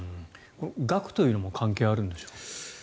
額というのも関係あるんでしょうか。